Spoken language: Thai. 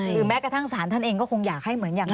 แม้กระทั่งศาลท่านเองก็คงอยากให้เหมือนอย่าง